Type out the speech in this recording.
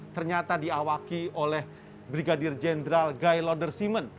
ternyata diawaki oleh brigadir jenderal guy lauder simon